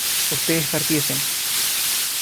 ustedes partiesen